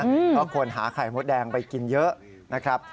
เพราะคนหาไข่มดแดงไปกินเยอะนะครับ